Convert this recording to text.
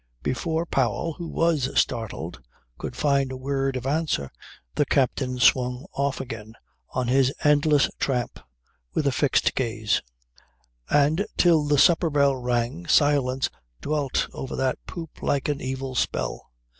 Before Powell, who was startled, could find a word of answer, the captain swung off again on his endless tramp with a fixed gaze. And till the supper bell rang silence dwelt over that poop like an evil spell.